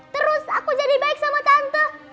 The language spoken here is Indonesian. terus aku jadi baik sama tante